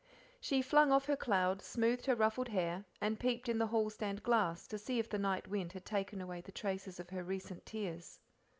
She flung off her cloud, smoothed her ruffled hair, and peeped in the hall stand glass to see if the night wind had taken away the traces of her recent tears.